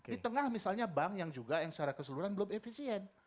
di tengah misalnya bank yang juga yang secara keseluruhan belum efisien